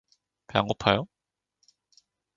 배 안 고파요?